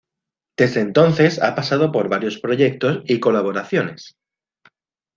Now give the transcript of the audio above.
Desde entonces ha pasado por varios proyectos y colaboraciones.